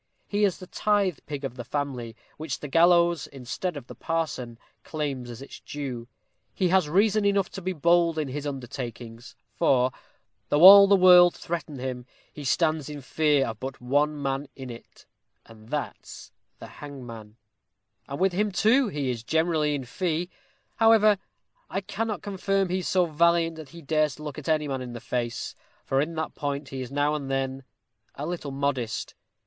He is the tithe pig of his family, which the gallows, instead of the parson, claims as its due. He has reason enough to be bold in his undertakings, for, though all the world threaten him, he stands in fear of but one man in it, and that's the hangman; and with him, too, he is generally in fee: however, I cannot affirm he is so valiant that he dares look any man in the face, for in that point he is now and then, a little modest.